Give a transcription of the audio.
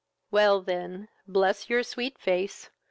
"Well, then, bless your sweet face!